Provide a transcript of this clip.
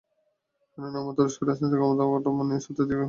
কেননা, আমরা তুরস্কের রাজনৈতিক ক্ষমতাকাঠামো নিয়ে শতাধিক নথি প্রকাশ করতে চলেছি।